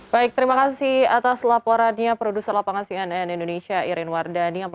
baik terima kasih atas laporannya produser lapangan cnn indonesia irin wardani